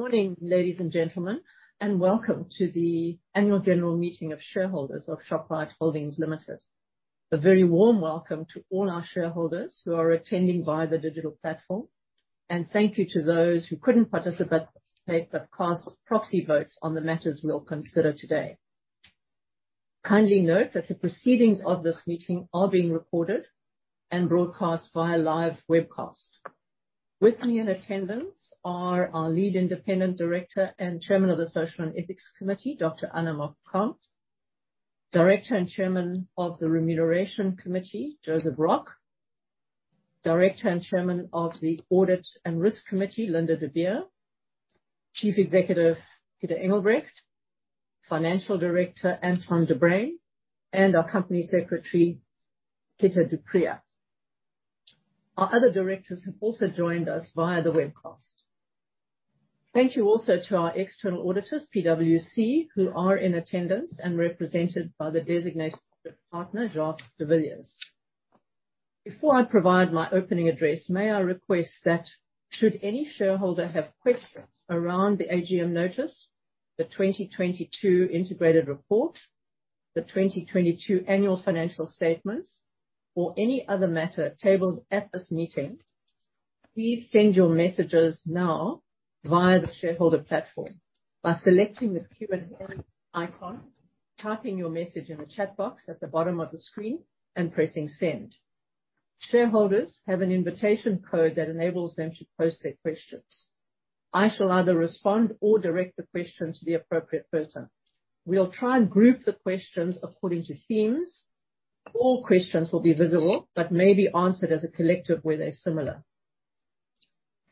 Morning, ladies and gentlemen, and welcome to the annual general meeting of shareholders of Shoprite Holdings Limited. A very warm welcome to all our shareholders who are attending via the digital platform, and thank you to those who couldn't participate, but cast proxy votes on the matters we'll consider today. Kindly note that the proceedings of this meeting are being recorded and broadcast via live webcast. With me in attendance are our Lead Independent Director and Chairman of the Social and Ethics Committee, Dr. Anna Mokgokong, Director and Chairman of the Remuneration Committee, Joseph Rock, Director and Chairman of the Audit and Risk Committee, Linda de Beer, Chief Executive, Pieter Engelbrecht, Financial Director, Anton de Bruyn, and our Company Secretary, Pieter du Preez. Our other directors have also joined us via the webcast. Thank you also to our external auditors, PwC, who are in attendance and represented by the Designated Partner, Jacques de Villiers. Before I provide my opening address, may I request that should any shareholder have questions around the AGM notice, the 2022 integrated report, the 2022 annual financial statements, or any other matter tabled at this meeting, please send your messages now via the shareholder platform by selecting the Q&A icon, typing your message in the chat box at the bottom of the screen, and pressing Send. Shareholders have an invitation code that enables them to post their questions. I shall either respond or direct the question to the appropriate person. We'll try and group the questions according to themes. All questions will be visible, but may be answered as a collective where they're similar.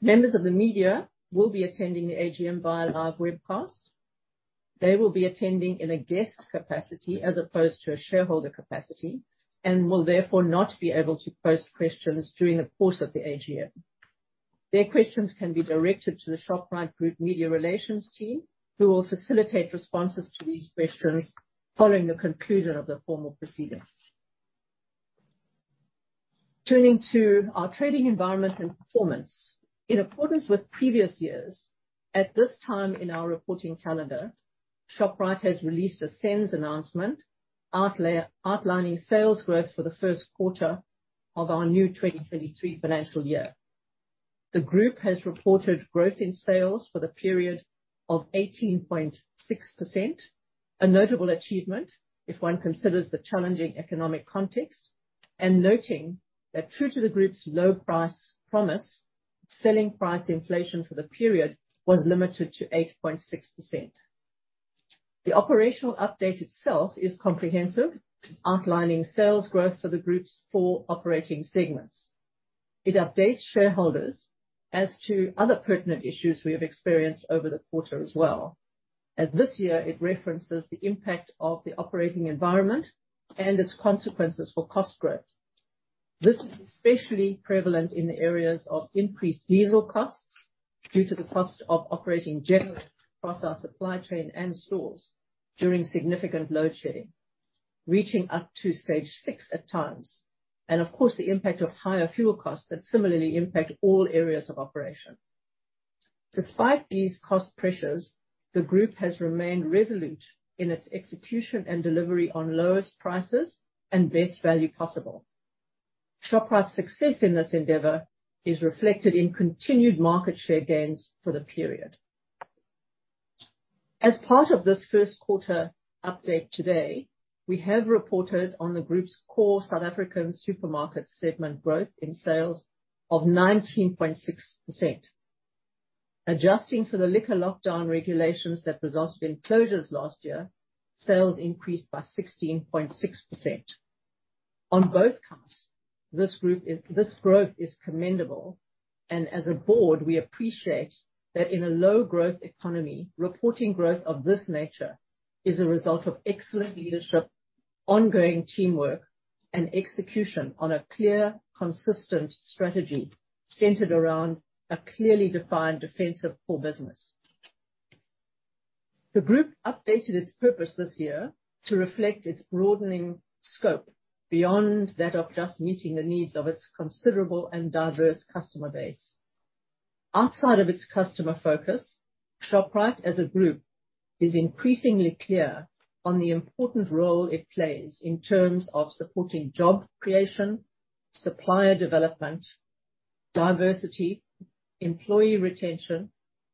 Members of the media will be attending the AGM via live webcast. They will be attending in a guest capacity as opposed to a shareholder capacity, and will therefore not be able to post questions during the course of the AGM. Their questions can be directed to the Shoprite Group media relations team, who will facilitate responses to these questions following the conclusion of the formal proceedings. Turning to our trading environment and performance. In accordance with previous years, at this time in our reporting calendar, Shoprite has released a SENS announcement outlining sales growth for the first quarter of our new 2023 financial year. The group has reported growth in sales for the period of 18.6%, a notable achievement if one considers the challenging economic context, and noting that true to the group's low price promise, selling price inflation for the period was limited to 8.6%. The operational update itself is comprehensive, outlining sales growth for the group's four operating segments. It updates shareholders as to other pertinent issues we have experienced over the quarter as well, and this year it references the impact of the operating environment and its consequences for cost growth. This is especially prevalent in the areas of increased diesel costs due to the cost of operating generators across our supply chain and stores during significant load shedding, reaching up to stage six at times, and of course, the impact of higher fuel costs that similarly impact all areas of operation. Despite these cost pressures, the group has remained resolute in its execution and delivery on lowest prices and best value possible. Shoprite's success in this endeavor is reflected in continued market share gains for the period. As part of this first quarter update today, we have reported on the group's core South African supermarket segment growth in sales of 19.6%. Adjusting for the liquor lockdown regulations that resulted in closures last year, sales increased by 16.6%. On both counts, this growth is commendable, and as a board, we appreciate that in a low growth economy, reporting growth of this nature is a result of excellent leadership, ongoing teamwork, and execution on a clear, consistent strategy centered around a clearly defined defensive core business. The group updated its purpose this year to reflect its broadening scope beyond that of just meeting the needs of its considerable and diverse customer base. Outside of its customer focus, Shoprite as a group is increasingly clear on the important role it plays in terms of supporting job creation, supplier development, diversity, employee retention,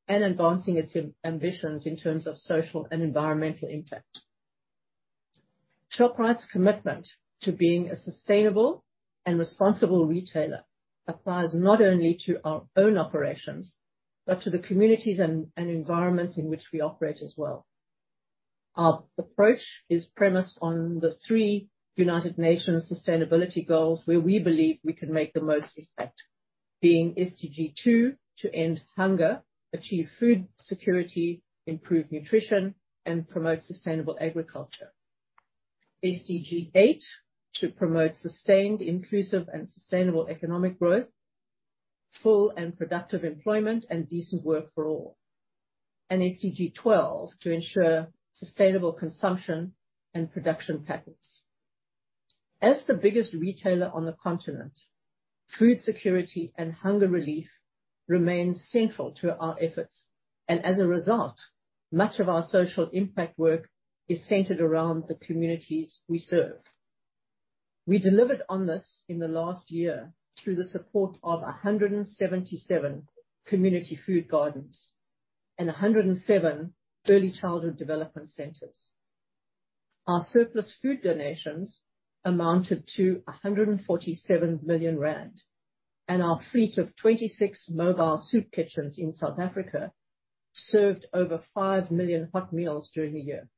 and advancing its ambitions in terms of social and environmental impact. Shoprite's commitment to being a sustainable and responsible retailer applies not only to our own operations, but to the communities and environments in which we operate as well. Our approach is premised on the three United Nations sustainability goals where we believe we can make the most effect, being SDG 2, to end hunger, achieve food security, improve nutrition, and promote sustainable agriculture. SDG 8, to promote sustained, inclusive, and sustainable economic growth, full and productive employment, and decent work for all. SDG 12, to ensure sustainable consumption and production patterns. As the biggest retailer on the continent, food security and hunger relief remains central to our efforts. As a result, much of our social impact work is centered around the communities we serve. We delivered on this in the last year through the support of 177 community food gardens and 107 early childhood development centers. Our surplus food donations amounted to 147 million rand, and our fleet of 26 mobile soup kitchens in South Africa served over 5 million hot meals during the year.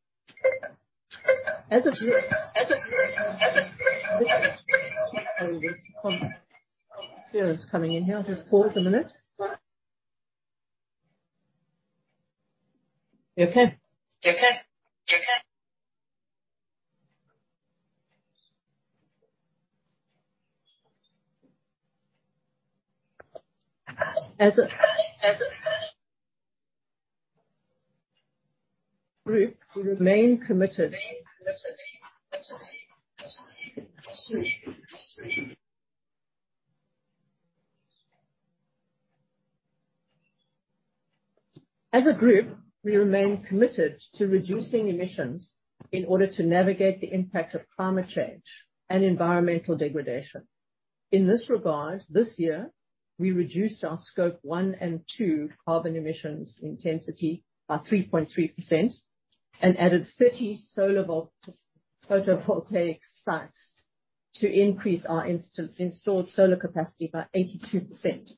As a group, we remain committed to reducing emissions in order to navigate the impact of climate change and environmental degradation. In this regard, this year we reduced our Scope 1 and Scope 2 carbon emissions intensity by 3.3% and added 30 photovoltaic sites to increase our installed solar capacity by 82%.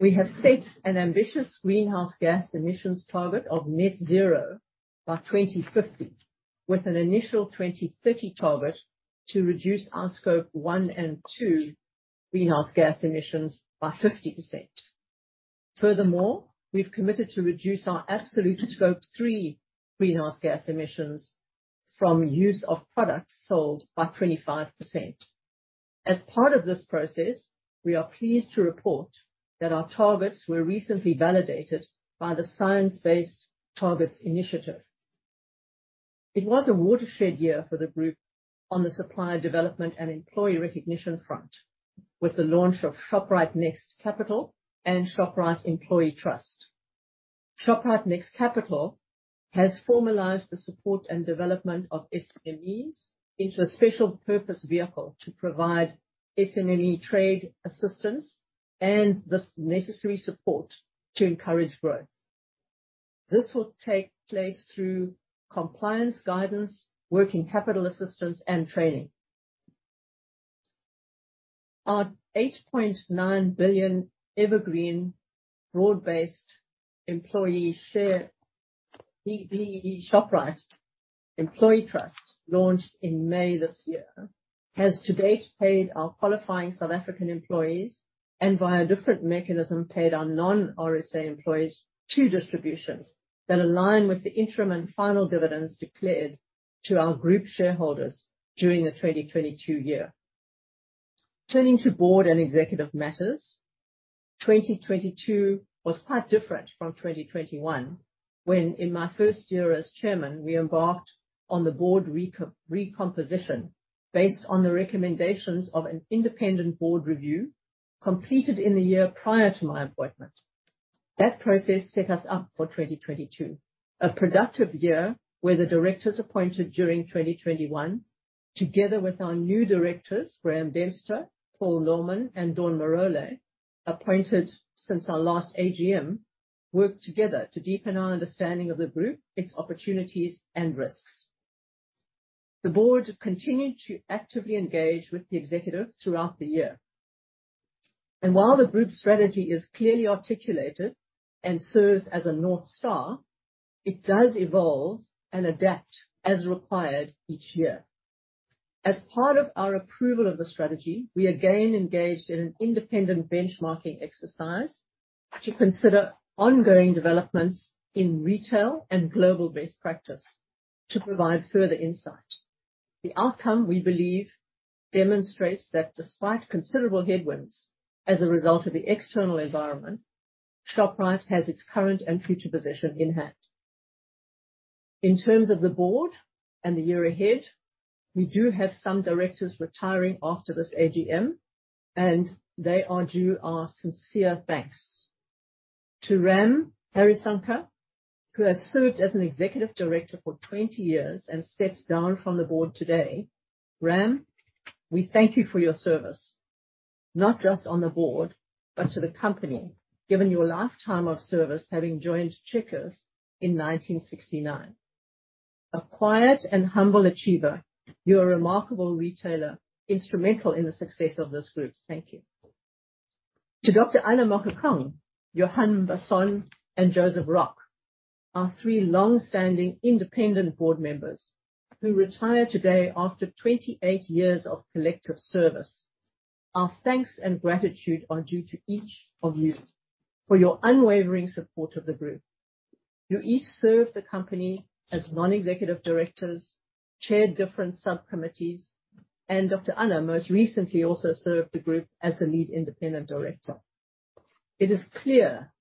We have set an ambitious greenhouse gas emissions target of net zero by 2050, with an initial 2030 target to reduce our Scope 1 and Scope 2 greenhouse gas emissions by 50%. Furthermore, we've committed to reduce our absolute Scope 3 greenhouse gas emissions from use of products sold by 25%. As part of this process, we are pleased to report that our targets were recently validated by the Science Based Targets initiative. It was a watershed year for the group on the supplier development and employee recognition front with the launch of Shoprite Next Capital and Shoprite Employee Trust. Shoprite Next Capital has formalized the support and development of SMEs into a special purpose vehicle to provide SME trade assistance and the necessary support to encourage growth. This will take place through compliance, guidance, working capital assistance and training. Our ZAR 8.9 billion evergreen broad-based employee share, B-BBEE Shoprite Employee Trust, launched in May this year, has to date paid our qualifying South African employees and via a different mechanism paid our non-RSA employees two distributions that align with the interim and final dividends declared to our group shareholders during the 2022 year. Turning to board and executive matters, 2022 was quite different from 2021 when in my first year as chairman we embarked on the board recomposition based on the recommendations of an independent board review completed in the year prior to my appointment. That process set us up for 2022, a productive year where the directors appointed during 2021, together with our new directors, Graham Dempster, Paul Norman and Dawn Marole, appointed since our last AGM, worked together to deepen our understanding of the group, its opportunities and risks. The board continued to actively engage with the executive throughout the year. While the group's strategy is clearly articulated and serves as a North Star, it does evolve and adapt as required each year. As part of our approval of the strategy, we again engaged in an independent benchmarking exercise to consider ongoing developments in retail and global best practice to provide further insight. The outcome, we believe, demonstrates that despite considerable headwinds as a result of the external environment, Shoprite has its current and future position in hand. In terms of the board and the year ahead, we do have some directors retiring after this AGM and they are due our sincere thanks. To Ram Harisunker, who has served as an executive director for 20 years and steps down from the board today, Ram, we thank you for your service, not just on the board, but to the company, given your lifetime of service, having joined Checkers in 1969. A quiet and humble achiever, you're a remarkable retailer, instrumental in the success of this group. Thank you. To Dr. Anna Mokgokong, Johan Basson, and Joseph Rock, our three long-standing independent board members who retire today after 28 years of collective service. Our thanks and gratitude are due to each of you for your unwavering support of the group. You each served the company as non-executive directors, chaired different subcommittees, and Dr. Anna most recently also served the group as the lead independent director. It is clear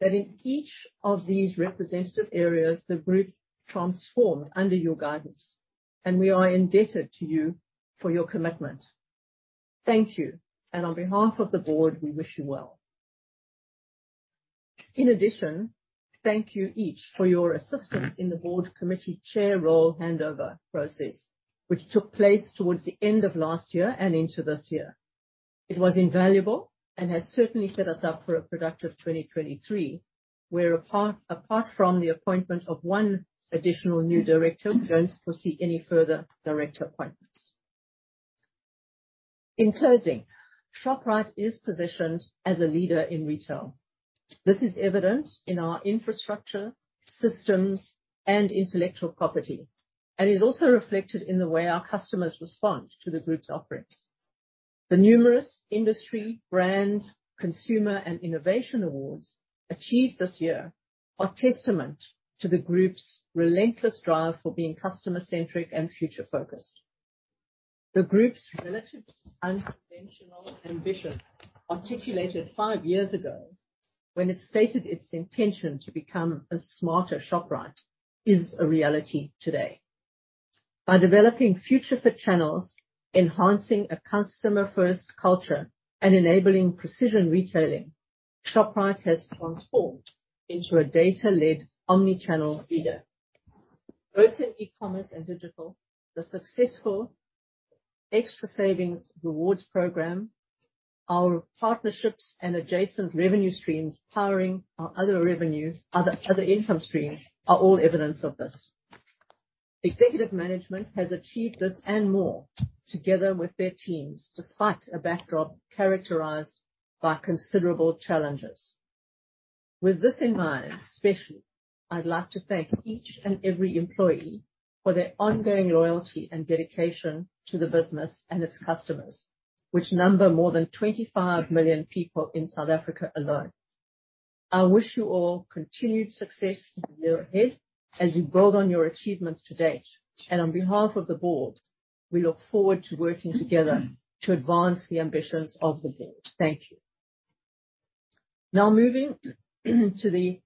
that in each of these representative areas, the group transformed under your guidance, and we are indebted to you for your commitment. Thank you, and on behalf of the board, we wish you well. In addition, thank you each for your assistance in the board committee chair role handover process, which took place towards the end of last year and into this year. It was invaluable and has certainly set us up for a productive 2023, where apart from the appointment of one additional new director, we don't foresee any further director appointments. In closing, Shoprite is positioned as a leader in retail. This is evident in our infrastructure, systems, and intellectual property, and is also reflected in the way our customers respond to the group's offerings. The numerous industry, brand, consumer, and innovation awards achieved this year are testament to the group's relentless drive for being customer-centric and future-focused. The group's relatively unconventional ambition articulated five years ago when it stated its intention to become a smarter Shoprite, is a reality today. By developing future-fit channels, enhancing a customer-first culture, and enabling precision retailing, Shoprite has transformed into a data-led, omnichannel leader. Both in e-commerce and digital, the successful Xtra Savings rewards program, our partnerships and adjacent revenue streams powering our other income streams are all evidence of this. Executive management has achieved this and more together with their teams, despite a backdrop characterized by considerable challenges. With this in mind, especially, I'd like to thank each and every employee for their ongoing loyalty and dedication to the business and its customers, which number more than 25 million people in South Africa alone. I wish you all continued success in the year ahead as you build on your achievements to date. On behalf of the board, we look forward to working together to advance the ambitions of the board. Thank you. Now moving to the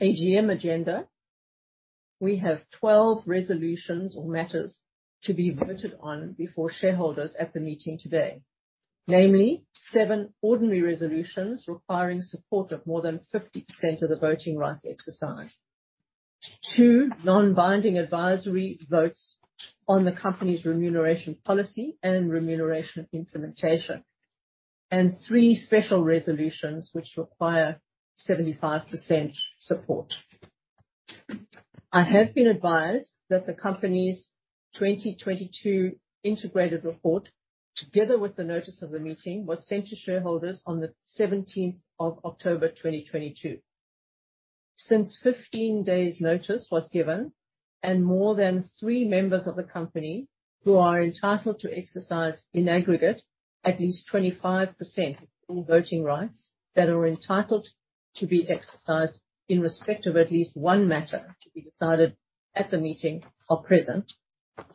AGM agenda. We have 12 resolutions or matters to be voted on before shareholders at the meeting today. Namely, seven ordinary resolutions requiring support of more than 50% of the voting rights exercised. Two non-binding advisory votes on the company's remuneration policy and remuneration implementation, and three special resolutions which require 75% support. I have been advised that the company's 2022 integrated report, together with the notice of the meeting, was sent to shareholders on the 17th of October, 2022. Since 15 days notice was given and more than three members of the company who are entitled to exercise in aggregate at least 25% of all voting rights that are entitled to be exercised in respect of at least one matter to be decided at the meeting are present,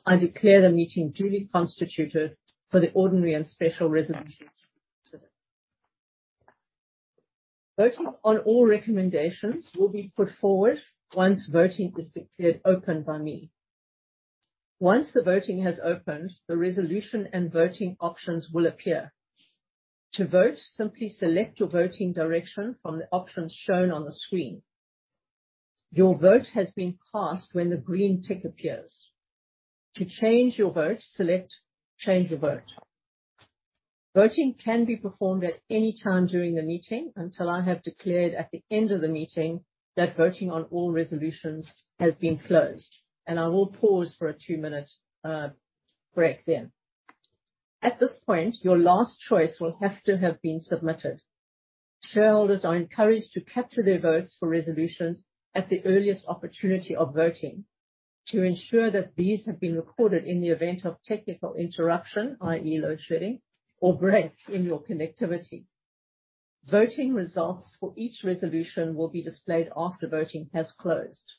I declare the meeting duly constituted for the ordinary and special resolutions to be considered. Voting on all recommendations will be put forward once voting is declared open by me. Once the voting has opened, the resolution and voting options will appear. To vote, simply select your voting direction from the options shown on the screen. Your vote has been passed when the green tick appears. To change your vote, select Change a Vote. Voting can be performed at any time during the meeting until I have declared at the end of the meeting that voting on all resolutions has been closed, and I will pause for a two-minute break then. At this point, your last choice will have to have been submitted. Shareholders are encouraged to capture their votes for resolutions at the earliest opportunity of voting to ensure that these have been recorded in the event of technical interruption, i.e., load shedding or break in your connectivity. Voting results for each resolution will be displayed after voting has closed.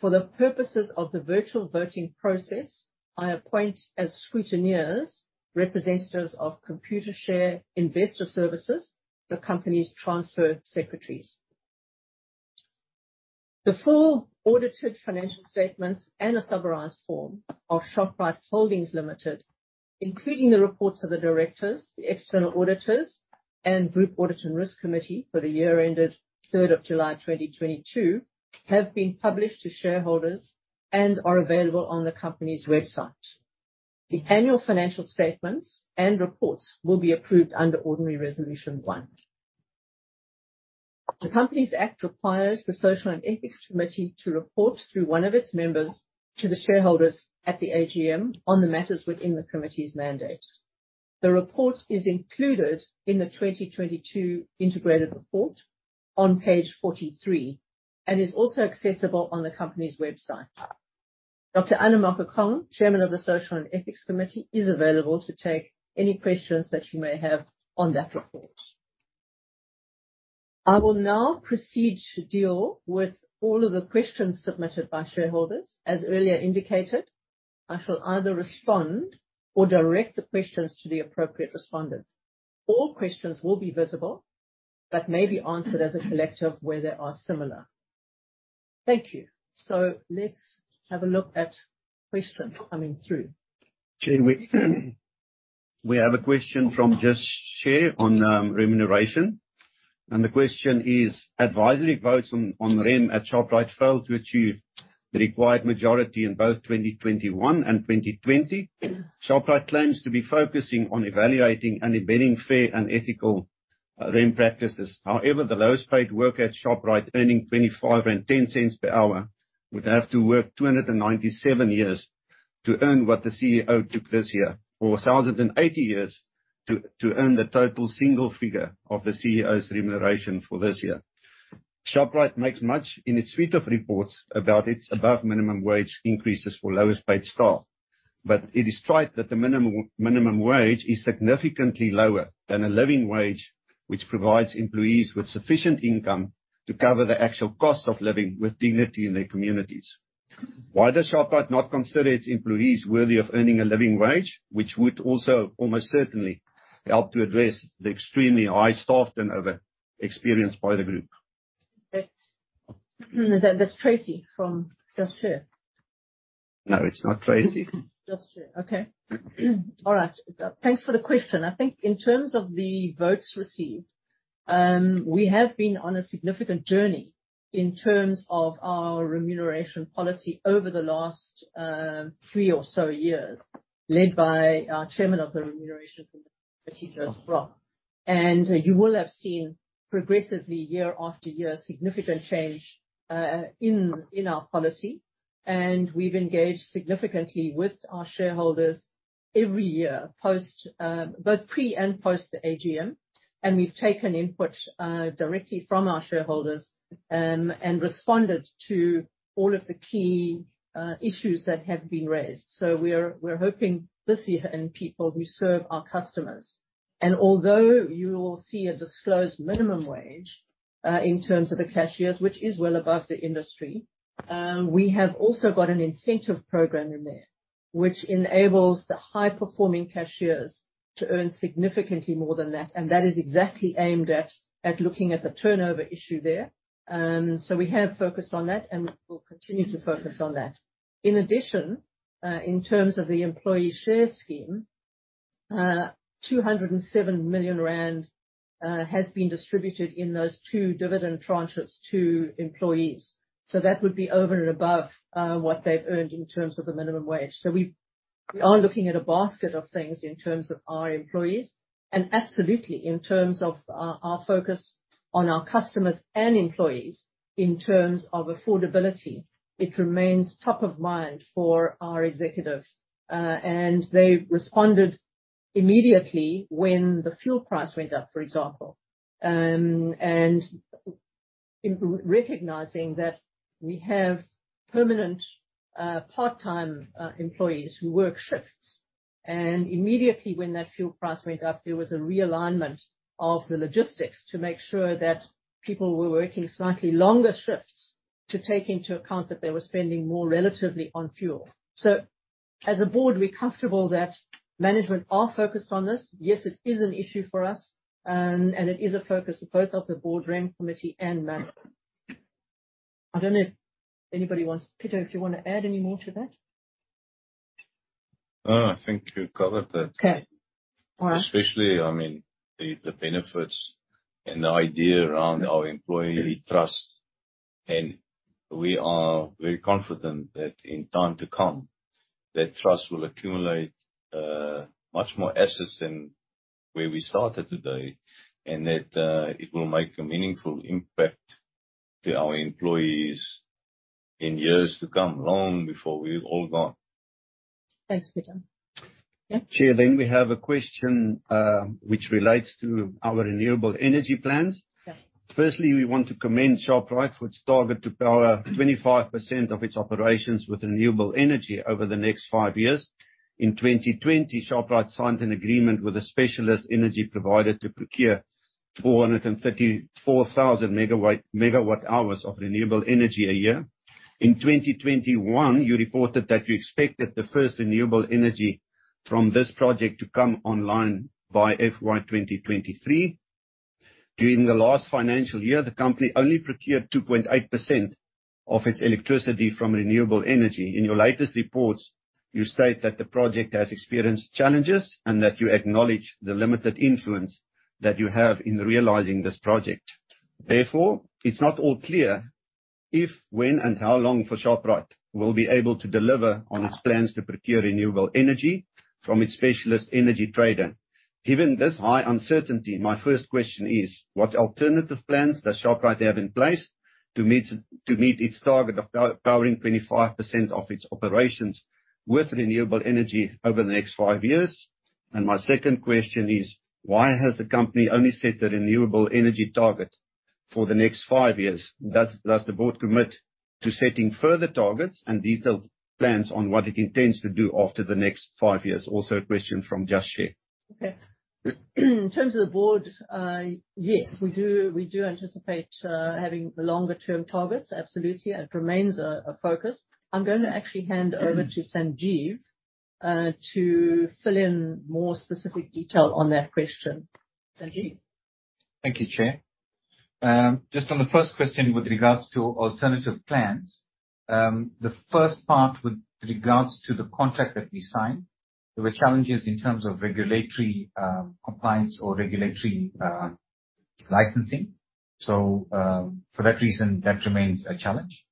For the purposes of the virtual voting process, I appoint as scrutineers representatives of Computershare Investor Services, the company's transfer secretaries. The full audited financial statements and a summarized form of Shoprite Holdings Limited, including the reports of the directors, the external auditors, and Group Audit and Risk Committee for the year ended 3rd of July 2022, have been published to shareholders and are available on the company's website. The annual financial statements and reports will be approved under ordinary resolution 1. The Companies Act requires the Social and Ethics Committee to report through one of its members to the shareholders at the AGM on the matters within the committee's mandate. The report is included in the 2022 integrated report on page 43, and is also accessible on the company's website. Dr. Anna Mokgokong, Chairman of the Social and Ethics Committee, is available to take any questions that you may have on that report. I will now proceed to deal with all of the questions submitted by shareholders. As earlier indicated, I shall either respond or direct the questions to the appropriate respondent. All questions will be visible, but may be answered as a collective where they are similar. Thank you. Let's have a look at questions coming through. Jane, we have a question from Just Share on remuneration. The question is: advisory votes on REM at Shoprite failed to achieve the required majority in both 2021 and 2020. Shoprite claims to be focusing on evaluating and embedding fair and ethical REM practices. However, the lowest paid worker at Shoprite earning 25.10 per hour would have to work 297 years to earn what the CEO took this year, or 1,080 years to earn the total single figure of the CEO's remuneration for this year. Shoprite makes much in its suite of reports about its above minimum wage increases for lowest paid staff, but it is trite that the minimum wage is significantly lower than a living wage, which provides employees with sufficient income to cover the actual cost of living with dignity in their communities. Why does Shoprite not consider its employees worthy of earning a living wage, which would also almost certainly help to address the extremely high staff turnover experienced by the group? Is that Tracy from Just Share? No, it's not Tracy. Just Share. Okay. All right. Thanks for the question. I think in terms of the votes received, we have been on a significant journey in terms of our remuneration policy over the last three or so years, led by our Chairman of the Remuneration Committee, Joseph Rock. You will have seen progressively year after year, significant change in our policy. We've engaged significantly with our shareholders every year, both pre and post the AGM, and we've taken input directly from our shareholders, and responded to all of the key issues that have been raised. We're hoping this year. People who serve our customers. Although you will see a disclosed minimum wage in terms of the cashiers, which is well above the industry, we have also got an incentive program in there which enables the high performing cashiers to earn significantly more than that. That is exactly aimed at looking at the turnover issue there. We have focused on that and we will continue to focus on that. In addition, in terms of the employee share scheme, 207 million rand has been distributed in those two dividend tranches to employees. That would be over and above what they've earned in terms of the minimum wage. We are looking at a basket of things in terms of our employees and absolutely in terms of our focus on our customers and employees in terms of affordability, it remains top of mind for our executives. They responded immediately when the fuel price went up, for example. Recognizing that we have permanent part-time employees who work shifts, and immediately when that fuel price went up, there was a realignment of the logistics to make sure that people were working slightly longer shifts to take into account that they were spending more relatively on fuel. As a board, we're comfortable that management are focused on this. Yes, it is an issue for us and it is a focus of both of the board REM committee and management. I don't know if anybody wants. Pieter, if you wanna add any more to that? No, I think you covered that. Okay. All right. Especially, I mean, the benefits and the idea around our employee trust, and we are very confident that in time to come, that trust will accumulate much more assets than where we started today, and that it will make a meaningful impact to our employees in years to come, long before we've all gone. Thanks, Pieter. Yeah. Chair, we have a question, which relates to our renewable energy plans. Yeah. First, we want to commend Shoprite for its target to power 25% of its operations with renewable energy over the next five years. In 2020, Shoprite signed an agreement with a specialist energy provider to procure 434,000 megawatt hours of renewable energy a year. In 2021, you reported that you expected the first renewable energy from this project to come online by FY 2023. During the last financial year, the company only procured 2.8% of its electricity from renewable energy. In your latest reports, you state that the project has experienced challenges and that you acknowledge the limited influence that you have in realizing this project. Therefore, it's not at all clear if, when, and how Shoprite will be able to deliver on its plans to procure renewable energy from its specialist energy trader. Given this high uncertainty, my first question is, what alternative plans does Shoprite have in place to meet its target of powering 25% of its operations with renewable energy over the next five years? My second question is, why has the company only set a renewable energy target for the next five years? Does the board commit to setting further targets and detailed plans on what it intends to do after the next five years. Also, a question from Just Share. Okay. In terms of the board, yes, we do anticipate having longer term targets, absolutely. It remains a focus. I'm gonna actually hand over to Sanjeev to fill in more specific detail on that question. Sanjeev? Thank you, Chair. Just on the first question with regards to alternative plans, the first part with regards to the contract that we signed, there were challenges in terms of regulatory compliance or regulatory licensing. For that reason, that remains a challenge.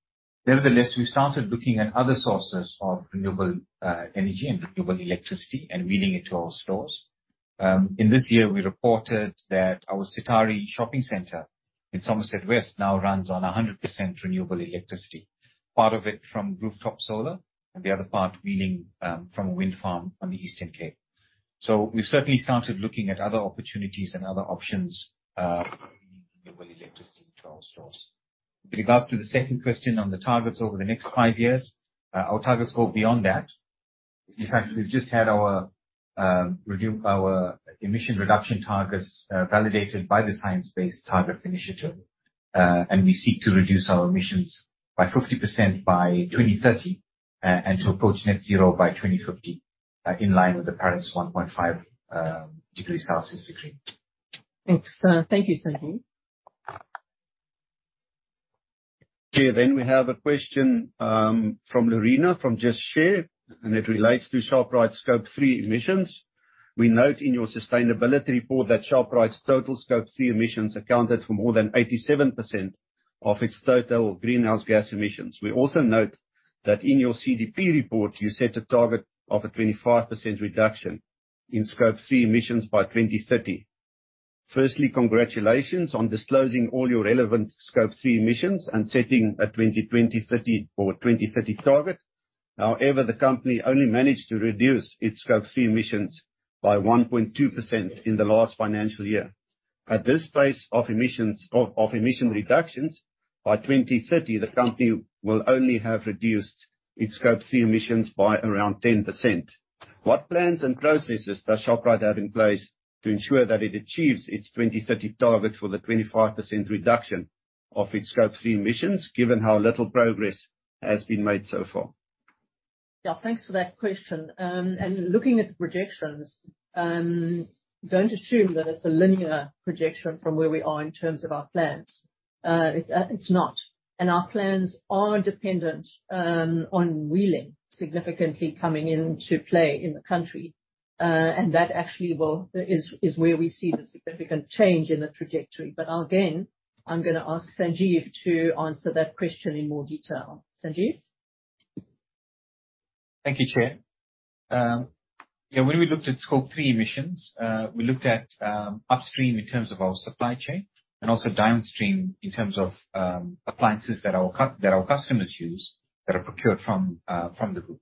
Nevertheless, we started looking at other sources of renewable energy and renewable electricity and wheeling it to our stores. In this year, we reported that our Sitari Shopping Centre in Somerset West now runs on 100% renewable electricity. Part of it from rooftop solar and the other part wheeling from a wind farm on the Eastern Cape. We've certainly started looking at other opportunities and other options bringing renewable electricity to our stores. With regards to the second question on the targets over the next five years, our targets go beyond that. In fact, we've just had our emission reduction targets validated by the Science Based Targets initiative. We seek to reduce our emissions by 50% by 2030 and to approach net zero by 2050, in line with the Paris 1.5 degrees Celsius. Thanks. Thank you, Sanjeev. Okay, we have a question from Lorena, from Just Share, and it relates to Shoprite's Scope 3 emissions. We note in your sustainability report that Shoprite's total Scope 3 emissions accounted for more than 87% of its total greenhouse gas emissions. We also note that in your CDP report, you set a target of a 25% reduction in Scope 3 emissions by 2030. Firstly, congratulations on disclosing all your relevant Scope 3 emissions and setting a 2030 target. However, the company only managed to reduce its Scope 3 emissions by 1.2% in the last financial year. At this pace of emissions, emission reductions, by 2030, the company will only have reduced its Scope 3 emissions by around 10%. What plans and processes does Shoprite have in place to ensure that it achieves its 2030 target for the 25% reduction of its Scope 3 emissions, given how little progress has been made so far? Yeah, thanks for that question. Looking at the projections, don't assume that it's a linear projection from where we are in terms of our plans. It's not. Our plans are dependent on wheeling significantly coming into play in the country. That actually is where we see the significant change in the trajectory. Again, I'm gonna ask Sanjeev to answer that question in more detail. Sanjeev? Thank you, Chair. When we looked at Scope 3 emissions, upstream in terms of our supply chain and also downstream in terms of appliances that our customers use that are procured from the group.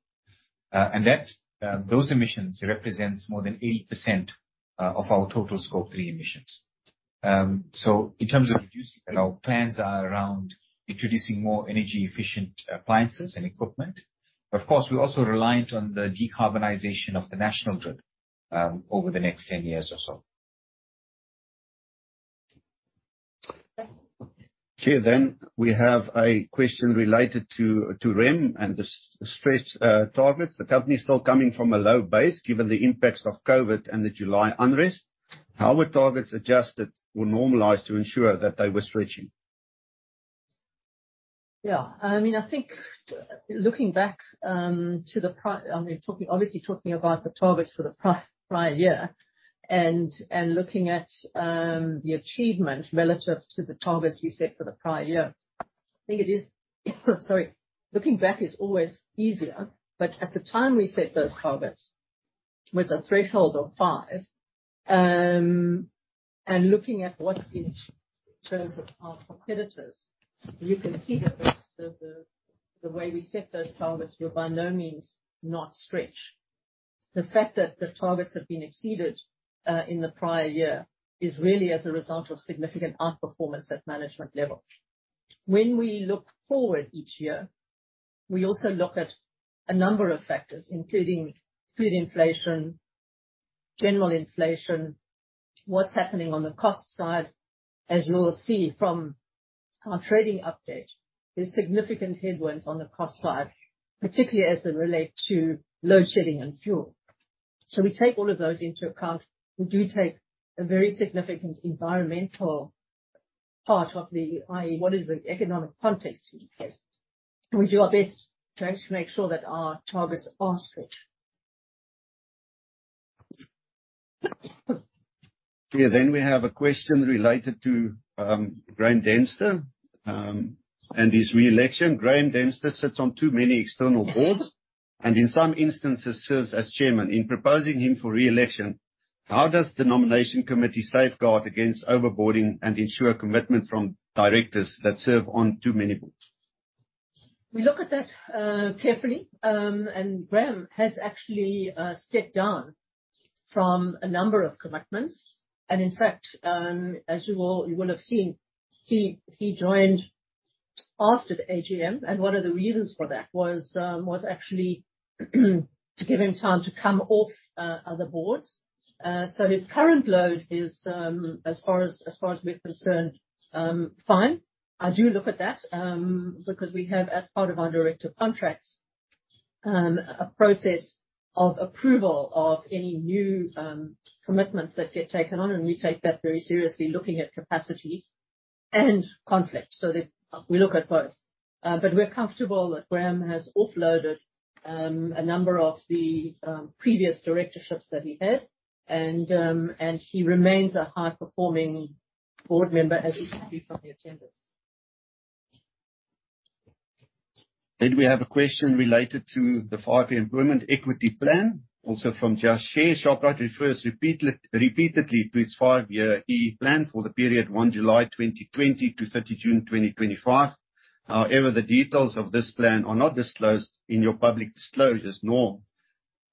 Those emissions represents more than 80% of our total Scope 3 emissions. In terms of reducing it, our plans are around introducing more energy-efficient appliances and equipment. Of course, we're also reliant on the decarbonization of the national grid over the next 10 years or so. We have a question related to REM and the stretch targets. The company is still coming from a low base, given the impacts of COVID and the July unrest. How were targets adjusted or normalized to ensure that they were stretching? Yeah, I mean, I think looking back, I mean, talking, obviously, about the targets for the prior year and looking at the achievement relative to the targets we set for the prior year, I think it is, sorry. Looking back is always easier, but at the time we set those targets with a threshold of 5% and looking at what's been achieved in terms of our competitors, we can see that the way we set those targets were by no means not stretched. The fact that the targets have been exceeded in the prior year is really as a result of significant outperformance at management level. When we look forward each year, we also look at a number of factors, including food inflation, general inflation, what's happening on the cost side. As you'll see from our trading update, there's significant headwinds on the cost side, particularly as they relate to load shedding and fuel. We take all of those into account. We do take a very significant environmental part of the, i.e., what is the economic context we face. We do our best to actually make sure that our targets are stretched. We have a question related to Graham Dempster and his re-election. Graham Dempster sits on too many external boards and in some instances, serves as chairman. In proposing him for re-election, how does the nomination committee safeguard against over-boarding and ensure commitment from directors that serve on too many boards? We look at that carefully, and Graham has actually stepped down from a number of commitments. In fact, as you will have seen, he joined after the AGM, and one of the reasons for that was actually to give him time to come off other boards. So his current load is, as far as we're concerned, fine. I do look at that because we have, as part of our director contracts, a process of approval of any new commitments that get taken on, and we take that very seriously, looking at capacity and conflict, so that we look at both. We're comfortable that Graham has offloaded a number of the previous directorships that he had and he remains a high performing board member, as you can see from the attendance. We have a question related to the five-year employment equity plan, also from Just Share. Shoprite refers repeatedly to its five-year EE plan for the period 1 July 2020 to 30 June 2025. However, the details of this plan are not disclosed in your public disclosures nor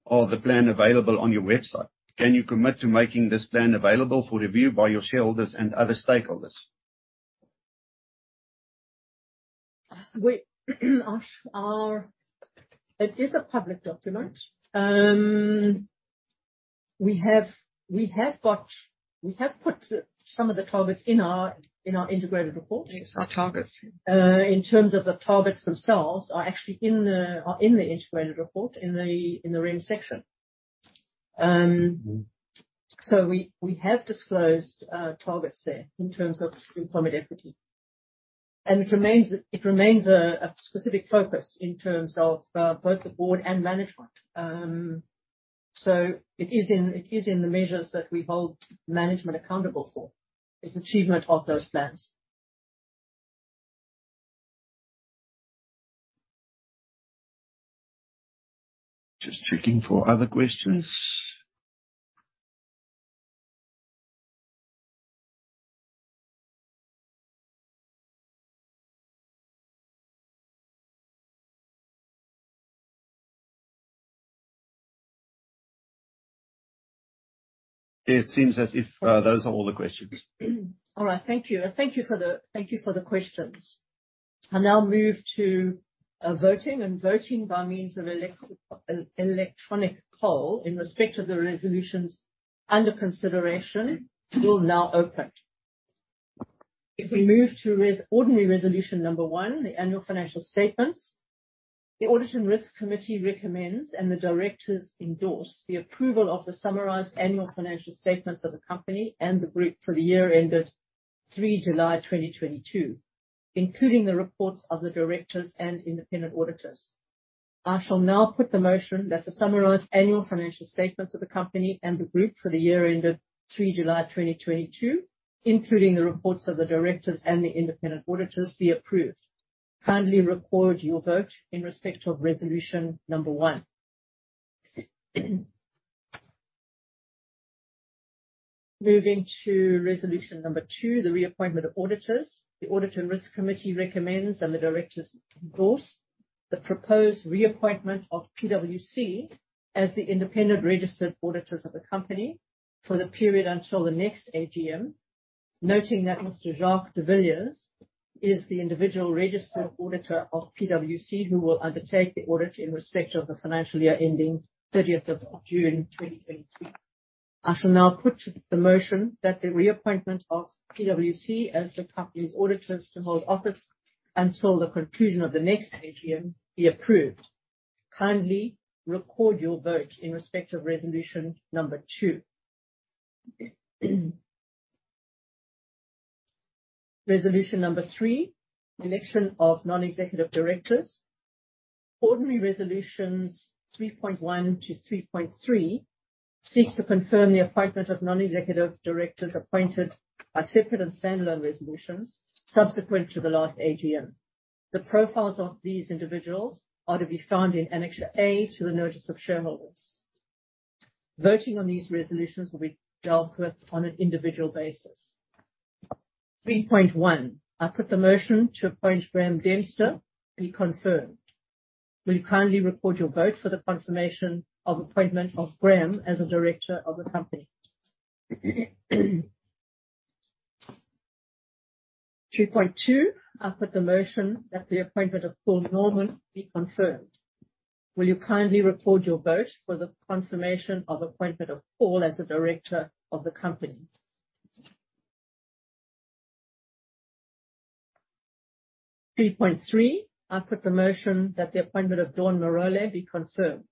are the plan available on your website. Can you commit to making this plan available for review by your shareholders and other stakeholders? It is a public document. We have got. We have put some of the targets in our integrated report. Yes, our targets. In terms of the targets themselves are actually in the integrated report, in the REM section. So we have disclosed targets there in terms of employment equity. It remains a specific focus in terms of both the board and management. So it is in the measures that we hold management accountable for, is achievement of those plans. Just checking for other questions. It seems as if those are all the questions. All right. Thank you for the questions. I now move to voting, and voting by means of electronic poll in respect of the resolutions under consideration will now open. If we move to ordinary resolution number 1, the annual financial statements. The Audit and Risk Committee recommends, and the directors endorse the approval of the summarized annual financial statements of the company and the group for the year ended 3 July 2022, including the reports of the directors and independent auditors. I shall now put the motion that the summarized annual financial statements of the company and the group for the year ended 3 July 2022, including the reports of the directors and the independent auditors be approved. Kindly record your vote in respect of resolution number 1. Moving to resolution number 2, the reappointment of auditors. The Audit and Risk Committee recommends, and the directors endorse the proposed reappointment of PwC as the independent registered auditors of the company for the period until the next AGM. Noting that Mr. Jacques de Villiers is the individual registered auditor of PwC who will undertake the audit in respect of the financial year ending 30th of June, 2023. I shall now put the motion that the reappointment of PwC as the company's auditors to hold office until the conclusion of the next AGM be approved. Kindly record your vote in respect of resolution number 2. Resolution number 3, election of non-executive directors. Ordinary resolutions 3.1 to resolution 3.3 seek to confirm the appointment of non-executive directors appointed by separate and standalone resolutions subsequent to the last AGM. The profiles of these individuals are to be found in Annexure A to the notice of shareholders. Voting on these resolutions will be dealt with on an individual basis. Resolution 3.1, I put the motion to appoint Graham Dempster be confirmed. Will you kindly record your vote for the confirmation of appointment of Graham as a director of the company. Resolution 3.2, I put the motion that the appointment of Paul Norman be confirmed. Will you kindly record your vote for the confirmation of appointment of Paul as a director of the company. Resolution 3.3, I put the motion that the appointment of Dawn Marole be confirmed.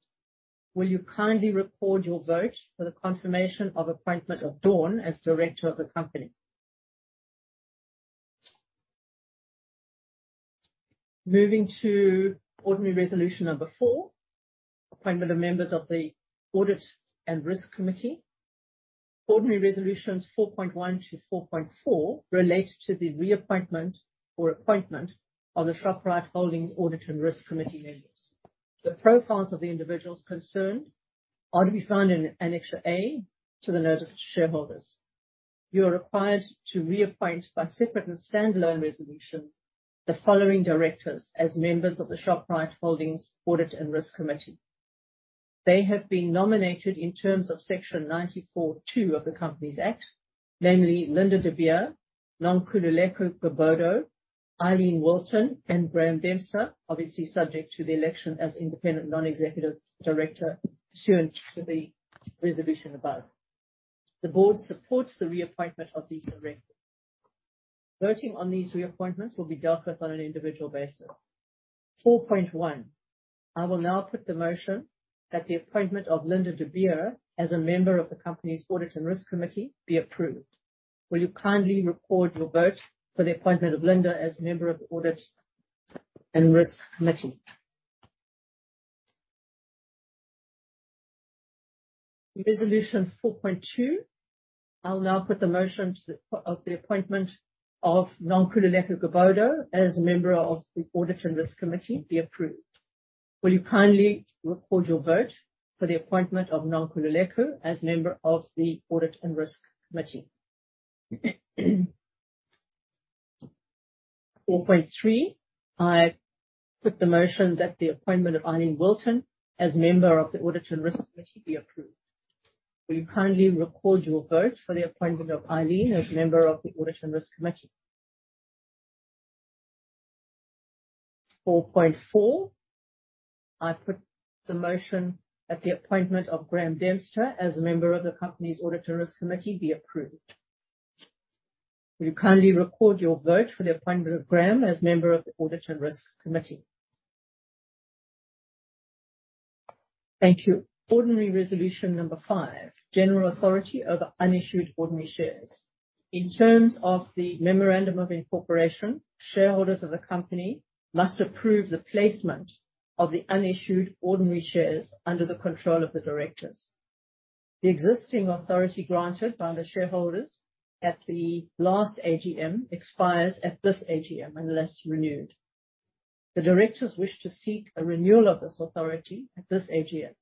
Will you kindly record your vote for the confirmation of appointment of Dawn as director of the company. Moving to ordinary resolution number 4, appointment of members of the Audit and Risk Committee. Ordinary resolutions 4.1 to resolution 4.4 relate to the reappointment or appointment of the Shoprite Holdings Audit and Risk Committee members. The profiles of the individuals concerned are to be found in Annexure A to the notice to shareholders. You are required to reappoint by separate and standalone resolution the following directors as members of the Shoprite Holdings Audit and Risk Committee. They have been nominated in terms of Section 94(2) of the Companies Act, namely Linda de Beer, Nonkululeko Gobodo, Eileen Wilton, and Graham Dempster, obviously subject to the election as independent non-executive director pursuant to the resolution above. The board supports the reappointment of these directors. Voting on these reappointments will be dealt with on an individual basis. Resolution 4.1: I will now put the motion that the appointment of Linda de Beer as a member of the company's Audit and Risk Committee be approved. Will you kindly record your vote for the appointment of Linda as member of the Audit and Risk Committee. Resolution 4.2: I'll now put the motion of the appointment of Nonkululeko Gobodo as a member of the Audit and Risk Committee be approved. Will you kindly record your vote for the appointment of Nonkululeko as member of the Audit and Risk Committee? Resolution 4.3: I put the motion that the appointment of Eileen Wilton as member of the Audit and Risk Committee be approved. Will you kindly record your vote for the appointment of Eileen as member of the Audit and Risk Committee. Resolution 4.4: I put the motion that the appointment of Graham Dempster as a member of the company's Audit and Risk Committee be approved. Will you kindly record your vote for the appointment of Graham as member of the Audit and Risk Committee. Thank you. Ordinary resolution number 5: general authority over unissued ordinary shares. In terms of the Memorandum of Incorporation, shareholders of the company must approve the placement of the unissued ordinary shares under the control of the directors. The existing authority granted by the shareholders at the last AGM expires at this AGM unless renewed. The directors wish to seek a renewal of this authority at this AGM.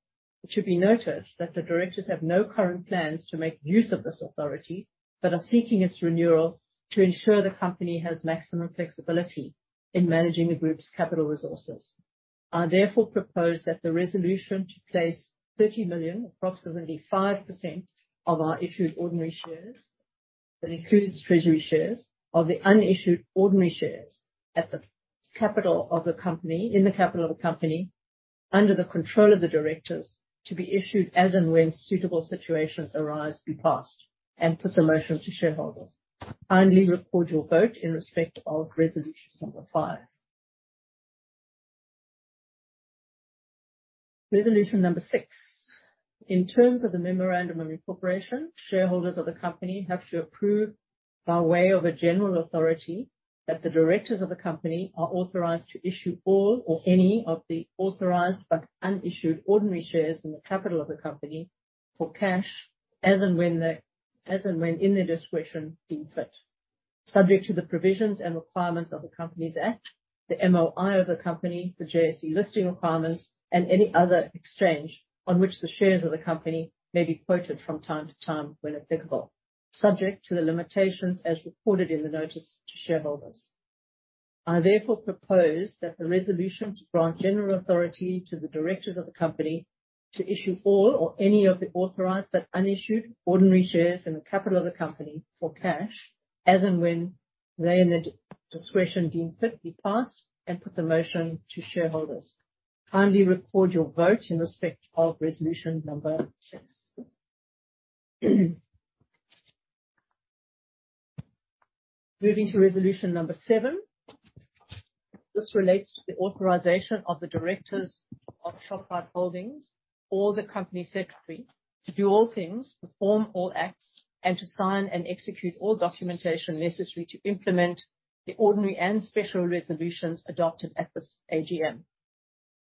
It should be noted that the directors have no current plans to make use of this authority, but are seeking its renewal to ensure the company has maximum flexibility in managing the group's capital resources. I therefore propose that the resolution to place 30 million, approximately 5% of our issued ordinary shares including treasury shares of the unissued ordinary shares in the capital of the company under the control of the directors to be issued as and when suitable situations arise be passed, and put the motion to shareholders. Kindly record your vote in respect of resolution number 5. Resolution number 6. In terms of the Memorandum of Incorporation, shareholders of the company have to approve by way of a general authority that the directors of the company are authorized to issue all or any of the authorized but unissued ordinary shares in the capital of the company for cash as and when they in their discretion deemed fit. Subject to the provisions and requirements of the Companies Act, the MOI of the company, the JSE listing requirements, and any other exchange on which the shares of the company may be quoted from time to time, when applicable, subject to the limitations as reported in the notice to shareholders. I therefore propose that the resolution to grant general authority to the directors of the company to issue all or any of the authorized but unissued ordinary shares in the capital of the company for cash as and when they, in their discretion, deem fit, be passed, and put the motion to shareholders. Kindly record your vote in respect of resolution number 6. Moving to resolution number 7. This relates to the authorization of the directors of Shoprite Holdings or the company secretary to do all things, perform all acts, and to sign and execute all documentation necessary to implement the ordinary and special resolutions adopted at this AGM.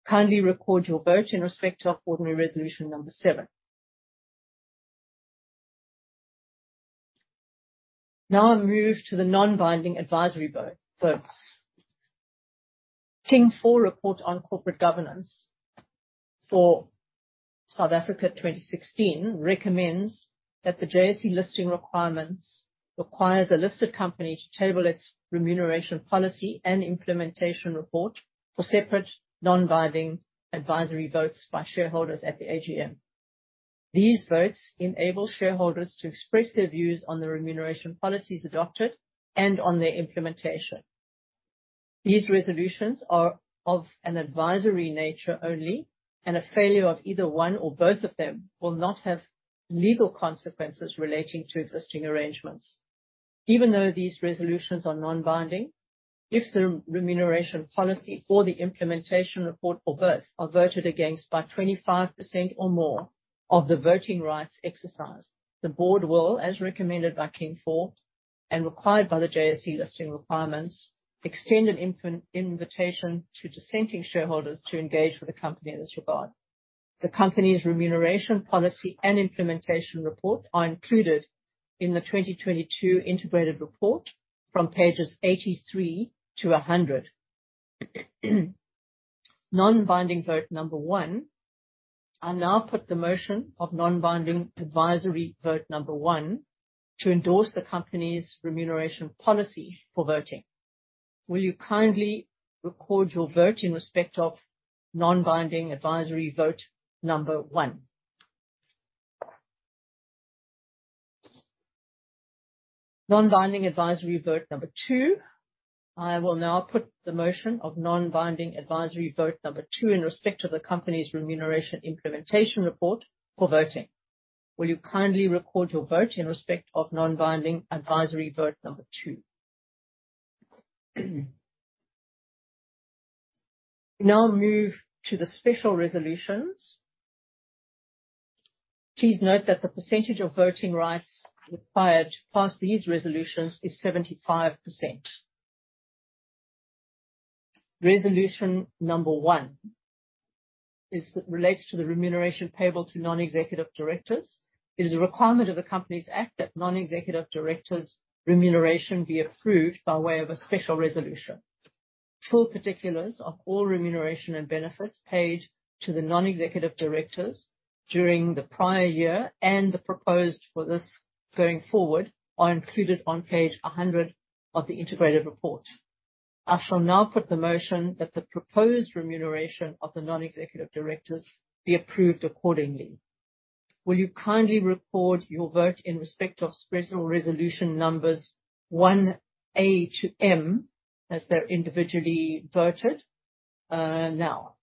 Kindly record your vote in respect of ordinary resolution number seven. Now I move to the non-binding advisory votes. King IV Report on Corporate Governance for South Africa 2016 recommends that the JSE listing requirements requires a listed company to table its remuneration policy and implementation report for separate non-binding advisory votes by shareholders at the AGM. These votes enable shareholders to express their views on the remuneration policies adopted and on their implementation. These resolutions are of an advisory nature only, and a failure of either one or both of them will not have legal consequences relating to existing arrangements. Even though these resolutions are non-binding, if the remuneration policy or the implementation report or both are voted against by 25% or more of the voting rights exercised, the board will, as recommended by King IV and required by the JSE listing requirements, extend an invitation to dissenting shareholders to engage with the company in this regard. The company's remuneration policy and implementation report are included in the 2022 integrated report from pages 83-100. Non-binding advisory vote number one. I now put the motion of non-binding advisory vote number one to endorse the company's remuneration policy for voting. Will you kindly record your vote in respect of non-binding advisory vote number one? Non-binding advisory vote number two. I will now put the motion of non-binding advisory vote number two in respect of the company's remuneration implementation report for voting. Will you kindly record your vote in respect of non-binding advisory vote number 2. We now move to the special resolutions. Please note that the percentage of voting rights required to pass these resolutions is 75%. Resolution number 1 relates to the remuneration payable to non-executive directors. It is a requirement of the Companies Act that non-executive directors' remuneration be approved by way of a special resolution. Full particulars of all remuneration and benefits paid to the non-executive directors during the prior year and the proposed for this going forward are included on page 100 of the integrated report. I shall now put the motion that the proposed remuneration of the non-executive directors be approved accordingly. Will you kindly record your vote in respect of special resolution numbers 1A-1M as they're individually voted, now.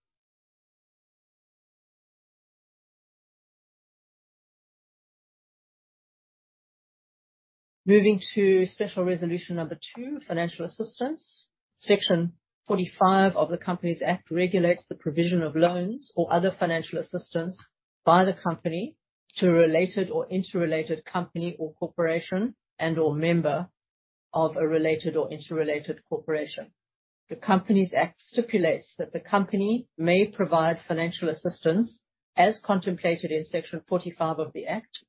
Moving to special resolution number 2, financial assistance. Section 45 of the Companies Act regulates the provision of loans or other financial assistance by the company to a related or interrelated company or corporation and/or member of a related or interrelated corporation. The Companies Act stipulates that the company may provide financial assistance as contemplated in Section 45 of the Act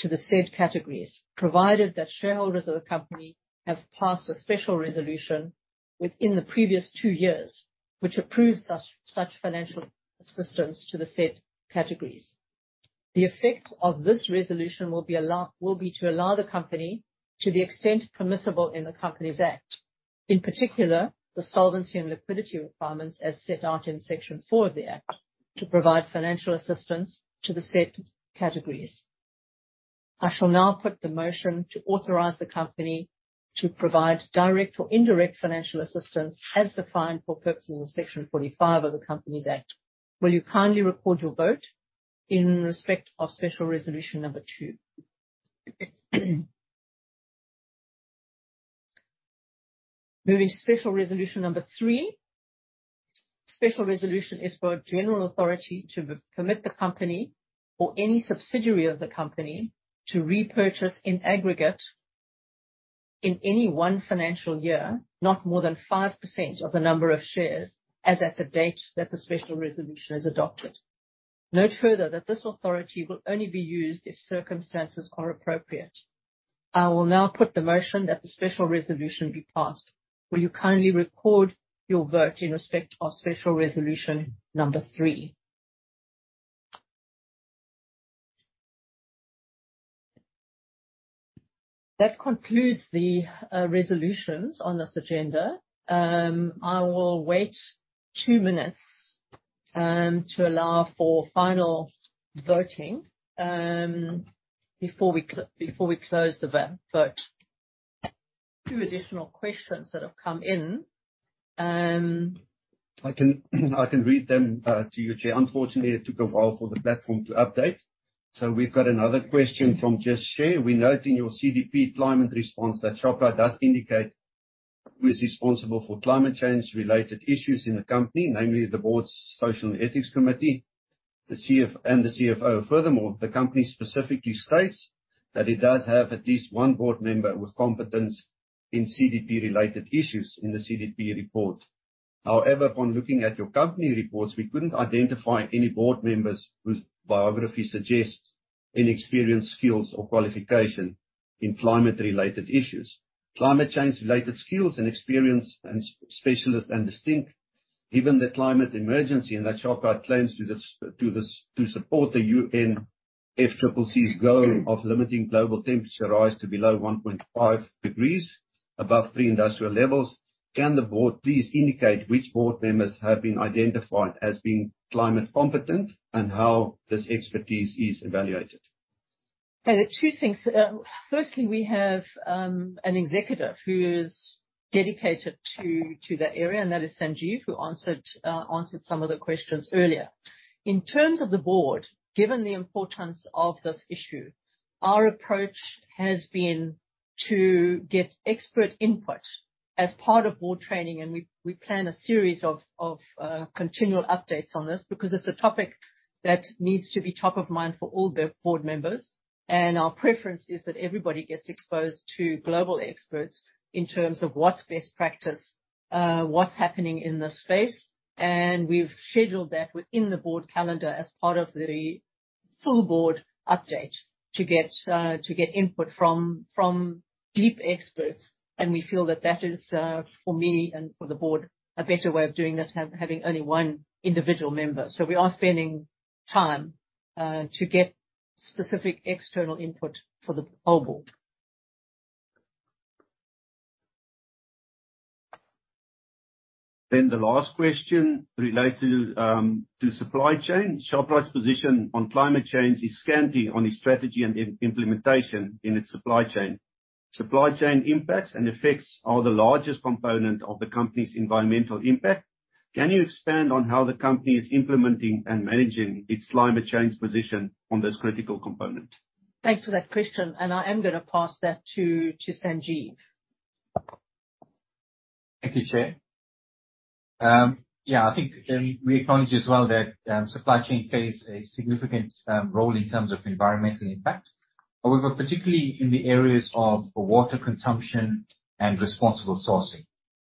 to the said categories, provided that shareholders of the company have passed a special resolution within the previous two years, which approves such financial assistance to the said categories. The effect of this resolution will be to allow the company, to the extent permissible in the Companies Act, in particular, the solvency and liquidity requirements as set out in Section 4 of the Act, to provide financial assistance to the said categories. I shall now put the motion to authorize the company to provide direct or indirect financial assistance as defined for purposes of Section 45 of the Companies Act. Will you kindly record your vote in respect of special resolution number 2? Moving to special resolution number 3. Special resolution is for a general authority to permit the company or any subsidiary of the company to repurchase, in aggregate, in any one financial year, not more than 5% of the number of shares as at the date that the special resolution is adopted. Note further that this authority will only be used if circumstances are appropriate. I will now put the motion that the special resolution be passed. Will you kindly record your vote in respect of special resolution number 3. That concludes the resolutions on this agenda. I will wait two minutes to allow for final voting before we close the vote. Two additional questions that have come in. I can read them to you, Chair. Unfortunately, it took a while for the platform to update. We've got another question from Just Share. We note in your CDP climate response that Shoprite does indicate who is responsible for climate change-related issues in the company, namely the board's Social and Ethics Committee, the CEO and the CFO. Furthermore, the company specifically states that it does have at least one board member with competence in CDP-related issues in the CDP report. However, upon looking at your company reports, we couldn't identify any board members whose biography suggests any experience, skills, or qualification in climate-related issues. Climate change-related skills and experience are specialist and distinct, given the climate emergency and that Shoprite claims to support the UNFCCC's goal of limiting global temperature rise to below 1.5 degrees above pre-industrial levels. Can the board please indicate which board members have been identified as being climate competent, and how this expertise is evaluated? Okay. There are two things. First, we have an executive who is dedicated to that area, and that is Sanjeev, who answered some of the questions earlier. In terms of the board, given the importance of this issue, our approach has been to get expert input as part of board training, and we plan a series of continual updates on this because it's a topic that needs to be top of mind for all the board members. Our preference is that everybody gets exposed to global experts in terms of what's best practice, what's happening in the space, and we've scheduled that within the board calendar as part of the full board update to get input from deep experts. We feel that that is, for me and for the board, a better way of doing that than having only one individual member. We are spending time, to get specific external input for the whole board. The last question related to supply chain. Shoprite's position on climate change is scanty on its strategy and implementation in its supply chain. Supply chain impacts and effects are the largest component of the company's environmental impact. Can you expand on how the company is implementing and managing its climate change position on this critical component? Thanks for that question, and I am gonna pass that to Sanjeev. Thank you, Chair. Yeah, I think we acknowledge as well that supply chain plays a significant role in terms of environmental impact. However, particularly in the areas of water consumption and responsible sourcing.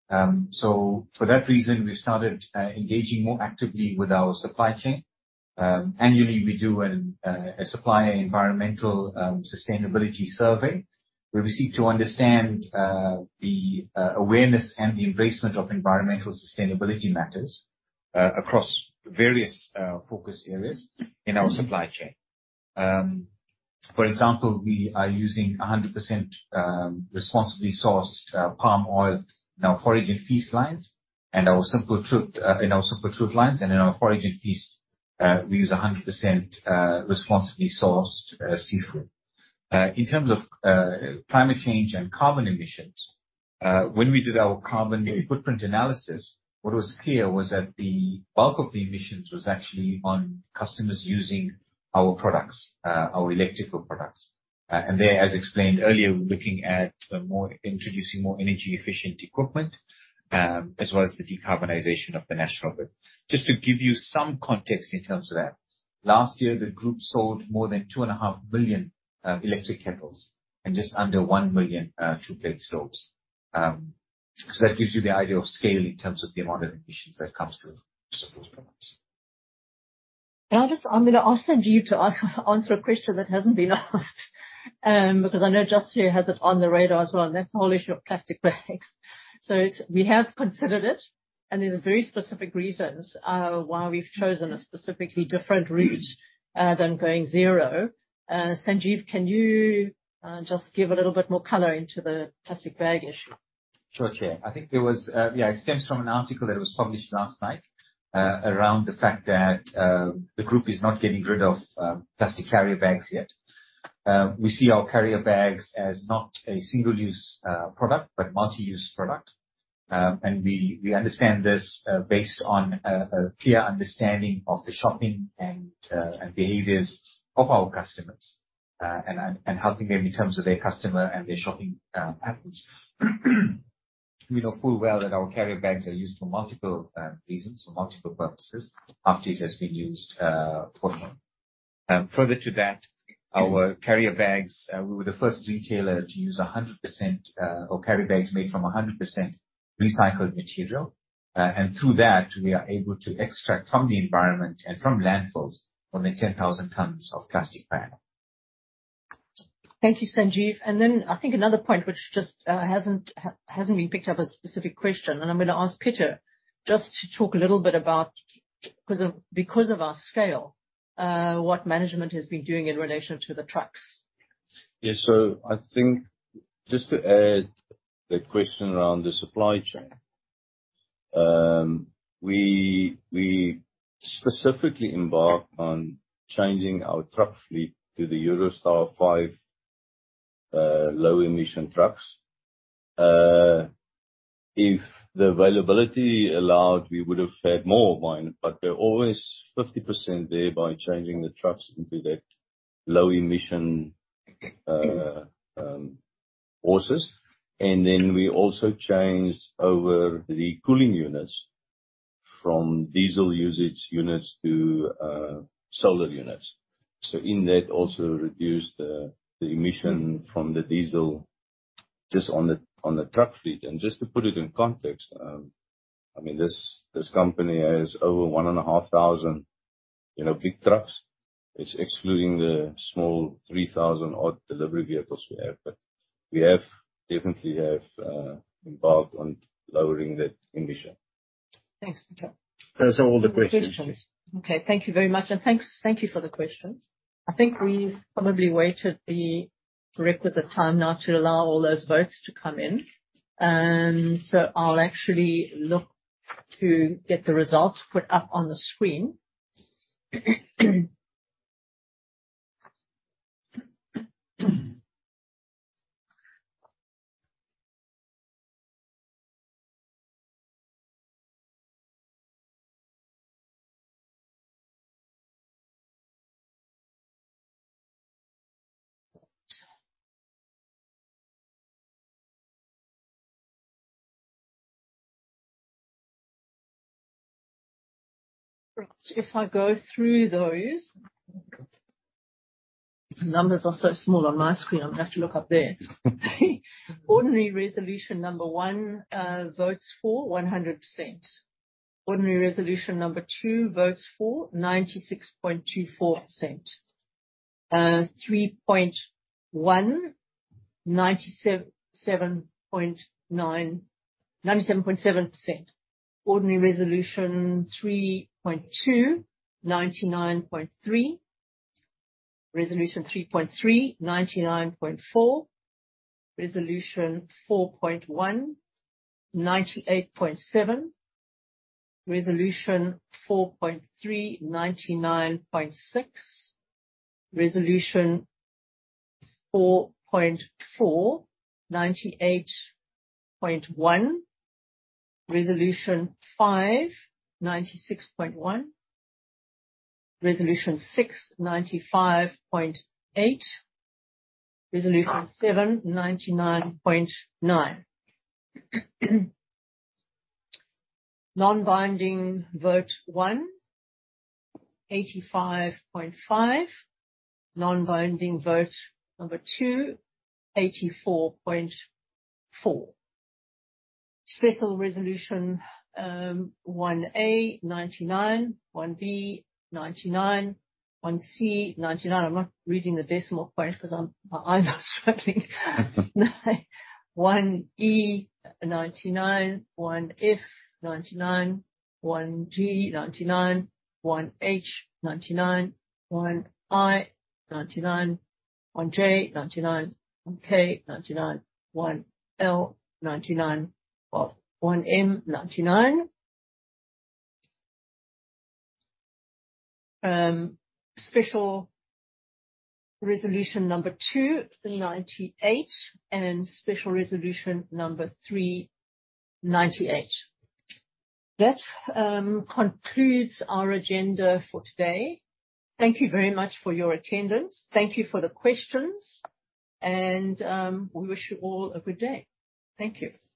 For that reason, we started engaging more actively with our supply chain. Annually we do a supply environmental sustainability survey, where we seek to understand the awareness and the embracement of environmental sustainability matters across various focus areas in our supply chain. For example, we are using 100% responsibly sourced palm oil in our Forage and Feast lines, and in our Simple Truth lines. In our Forage and Feast, we use 100% responsibly sourced seafood. In terms of climate change and carbon emissions, when we did our carbon footprint analysis, what was clear was that the bulk of the emissions was actually on customers using our products, our electrical products. There, as explained earlier, we're looking at introducing more energy efficient equipment, as well as the decarbonization of the national grid. Just to give you some context in terms of that, last year the group sold more than 2.5 billion electric kettles and just under 1 million two plate stoves. That gives you the idea of scale in terms of the amount of emissions that comes through those products. I'm gonna ask Sanjeev to answer a question that hasn't been asked, because I know Justin has it on the radar as well, and that's the whole issue of plastic bags. We have considered it, and there's very specific reasons why we've chosen a specifically different route than going zero. Sanjeev, can you just give a little bit more color into the plastic bag issue? Sure, Chair. It stems from an article that was published last night around the fact that the group is not getting rid of plastic carrier bags yet. We see our carrier bags as not a single-use product, but multi-use product. We understand this based on a clear understanding of the shopping and behaviors of our customers and helping them in terms of their customer and their shopping patterns. We know full well that our carrier bags are used for multiple reasons, for multiple purposes after it has been used for one. Further to that, our carrier bags, we were the first retailer to use 100% of carrier bags made from 100% recycled material. Through that, we are able to extract from the environment and from landfills more than 10,000 tons of plastic bags. Thank you, Sanjeev. Then I think another point which just hasn't been picked up a specific question, and I'm gonna ask Pieter just to talk a little bit about, because of our scale, what management has been doing in relation to the trucks. Yes. I think just to add that question around the supply chain. We specifically embarked on changing our truck fleet to the Euro 5 low-emission trucks. If the availability allowed, we would have had more of them, but they're always 50% there by changing the trucks into that low emission trucks. Then we also changed over the cooling units from diesel usage units to solar units. That also reduced the emission from the diesel just on the truck fleet. Just to put it in context, I mean, this company has over 1,500, you know, big trucks. It's excluding the small 3,000-odd delivery vehicles we have. We definitely have embarked on lowering that emission. Thanks, Pieter. Those are all the questions. Questions. Okay. Thank you very much. Thanks, thank you for the questions. I think we've probably waited the requisite time now to allow all those votes to come in. I'll actually look to get the results put up on the screen. If I go through those. The numbers are so small on my screen. I'm gonna have to look up there. Ordinary resolution number 1, votes for 100%. Ordinary resolution number 2, votes for 96.24%. 3.1, 97.7%. Ordinary resolution 3.2, 99.3%. Resolution 3.3, 99.4%. Resolution 4.1, 98.7%. Resolution 4.3, 99.6%. Resolution 4.4, 98.1%. Resolution 5, 96.1%. Resolution 6, 95.8%. Resolution 7, 99.9%. Non-binding vote 1, 85.5%. Non-binding vote number 2, 84.4%. Special resolution 1A, 99%. 1B, 99%. 1C, 99%. I'm not reading the decimal point 'cause my eyes are struggling. 1E, 99%. 1F, 99%. 1G, 99%. 1H, 99%. 1I, 99%. 1J, 99%. 1K, 99%. 1L, 99%. 1M, 99%. Special resolution number 2, 98%. Special resolution number 3, 98%. That concludes our agenda for today. Thank you very much for your attendance. Thank you for the questions and we wish you all a good day. Thank you.